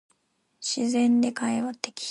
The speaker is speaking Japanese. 自然で会話的